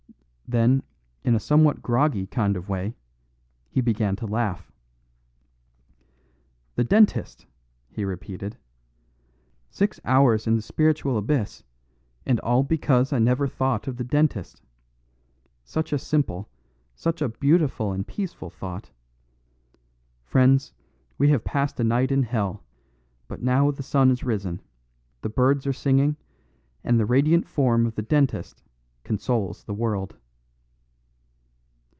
Then, in a somewhat groggy kind of way, he began to laugh. "The dentist!" he repeated. "Six hours in the spiritual abyss, and all because I never thought of the dentist! Such a simple, such a beautiful and peaceful thought! Friends, we have passed a night in hell; but now the sun is risen, the birds are singing, and the radiant form of the dentist consoles the world."